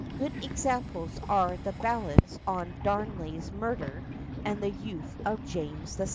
Good examples are the ballads on Darnley's murder and the youth of James VI.